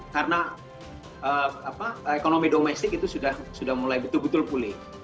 karena ekonomi domestik itu sudah mulai betul betul pulih